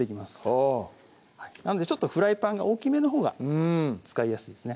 あぁなのでちょっとフライパンが大きめのほうが使いやすいですね